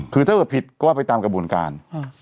คือถ้าเกิดผิดก็ว่าไปตามกระบวนการ